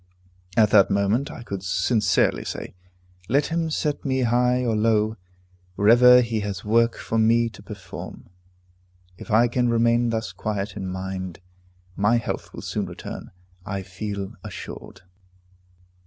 At that moment I could sincerely say, "Let him set me high or low, wherever he has work for me to perform." If I can remain thus quiet in mind, my health will soon return, I feel assured.